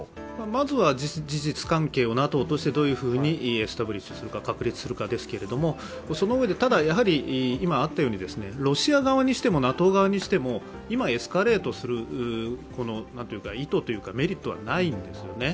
まずは事実関係をＮＡＴＯとしてどういふうにエスタブリッシュするか、確立するかですけれども、ただ、今あったようにロシア側にしても、ＮＡＴＯ側にしても今、エスカレートする意図というか、メリットはないんですよね。